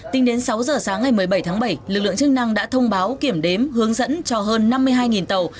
tính đến sáu giờ sáng ngày một mươi bảy tháng bảy lực lượng chức năng đã thông báo kiểm đếm hướng dẫn cho hơn năm mươi hai tàu